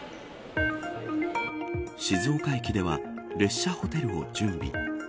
静岡駅では列車ホテルを準備。